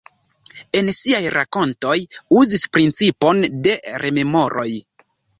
En siaj rakontoj uzis principon de rememoroj.